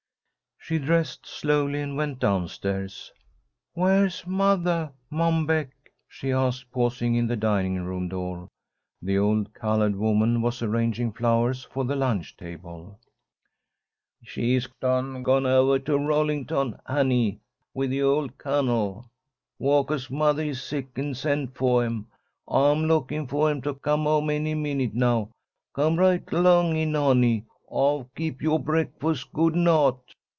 She dressed slowly and went down stairs. "Where's mothah, Mom Beck?" she asked, pausing in the dining room door. The old coloured woman was arranging flowers for the lunch table. "She's done gone ovah to Rollington, honey, with the old Cun'l. Walkah's mothah is sick, and sent for 'em. I'm lookin' for 'em to come home any minute now. Come right along in, honey. I've kep' yoah breakfus' good and hot."